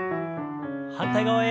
反対側へ。